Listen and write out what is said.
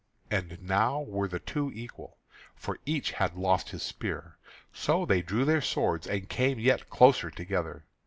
And now were the two equal, for each had lost his spear. So they drew their swords and came yet closer together.